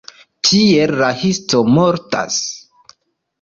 Tiel la histo mortas.